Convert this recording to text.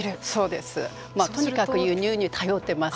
とにかく輸入に頼っています。